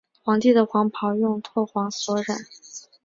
皇帝的黄袍用柘黄所染。